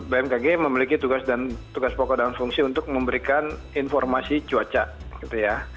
bmkg memiliki tugas pokok dan fungsi untuk memberikan informasi cuaca gitu ya